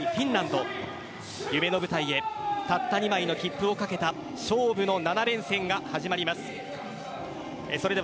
開幕戦日本対フィンランド夢の舞台へたった２枚の切符を懸けた勝負の７連戦が始まります。